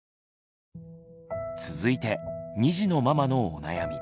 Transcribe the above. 続いて２児のママのお悩み。